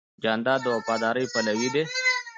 جانداد د وفادارۍ پلوی دی.